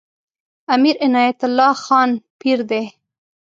امیر عنایت الله خان پیر دی.